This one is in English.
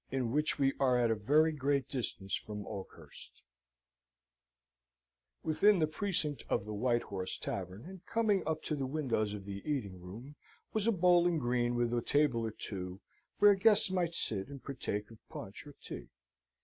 In which we are at a very Great Distance from Oakhurst Within the precinct of the White Horse Tavern, and coming up to the windows of the eating room, was a bowling green, with a table or two, where guests might sit and partake of punch or tea.